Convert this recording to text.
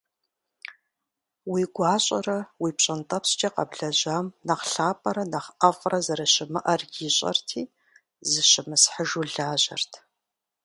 Уи гуащӀэрэ уи пщӀэнтӀэпскӀэ къэблэжьам нэхъ лъапӀэрэ нэхъ ӀэфӀрэ зэрыщымыӀэр ищӀэрти, зыщымысхьыжу лажьэрт.